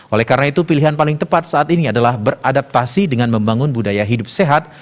oleh karena itu pilihan paling tepat saat ini adalah beradaptasi dengan membangun budaya hidup sehat